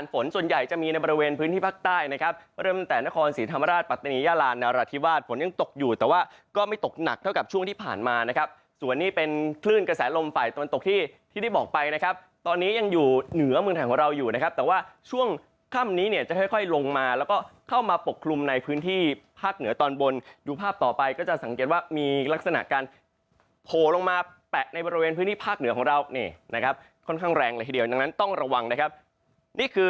ฝนส่วนใหญ่จะมีในบริเวณพื้นที่ภาคใต้นะครับก็เริ่มแต่นครศีรธรรมราชปัตนียาลานนารธิวาสฝนยังตกอยู่แต่ว่าก็ไม่ตกหนักเท่ากับช่วงที่ผ่านมานะครับส่วนนี้เป็นคลื่นกระแสลมฝ่ายต้นตกที่ที่ได้บอกไปนะครับตอนนี้ยังอยู่เหนือเมืองไทยของเราอยู่นะครับแต่ว่าช่วงค่ำนี้เนี่ยจะค่อยลงมาแล้วก็เข้